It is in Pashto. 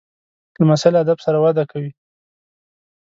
لمسی له ادب سره وده کوي.